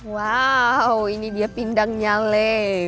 wow ini dia pindang nyale